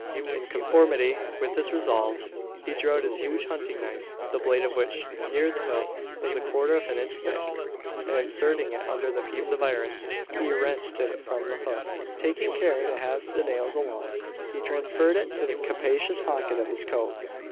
In conformity with this resolve, he drew out his huge hunting knife the blade of which, near the hilt, was a quarter of an inch thick and, inserting it under the piece of iron, he wrenched it from the hoof. Taking care to have the nails along, he transferred it to the capacious pocket of his coat.